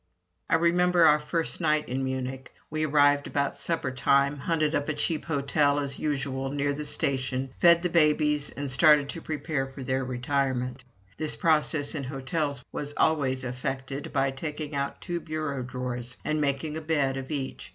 I remember our first night in Munich. We arrived about supper time, hunted up a cheap hotel as usual, near the station, fed the babies, and started to prepare for their retirement. This process in hotels was always effected by taking out two bureau drawers and making a bed of each.